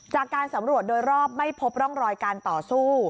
จากการสำรวจโดยรอบไม่พบร่องรอยการต่อสู้